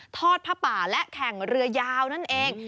ทอดผ้าป่าและแข่งเรือยาวนั่นเอง